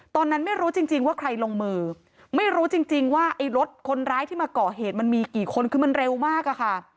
ตอนนั้นไม่รู้จริงว่าใครลงมือไม่รู้จริงว่าไอ้รถคนร้ายที่มาก่อเหตุมันมีกี่คนคือมันเร็วมากอะค่ะ